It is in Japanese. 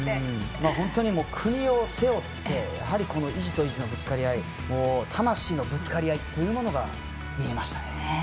本当に国を背負ってこの意地と意地のぶつかり合い魂のぶつかり合いというものが見えましたね。